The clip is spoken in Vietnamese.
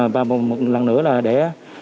và một lần nữa là để